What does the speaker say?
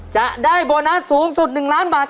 จะได้โบนัสสูงสุด๑ล้านบาท